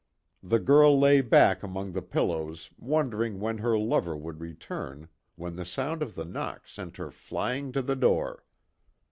The girl lay back among the pillows wondering when her lover would return when the sound of the knock sent her flying to the door.